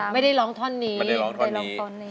ไม่ได้ร้องท่อนนี้เคยร้องท่อนนี้